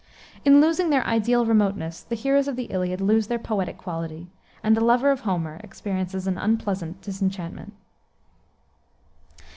In losing their ideal remoteness, the heroes of the Iliad lose their poetic quality, and the lover of Homer experiences an unpleasant disenchantment.